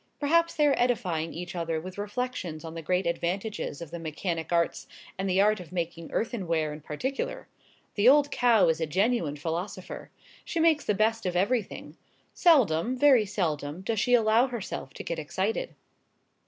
Perhaps they are edifying each other with reflections on the great advantages of the mechanic arts, and the art of making earthen ware in particular. The old cow is a genuine philosopher. She makes the best of every thing. Seldom, very seldom, does she allow herself to get excited.